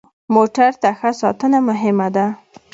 موټر ته ښه ساتنه مهمه ده.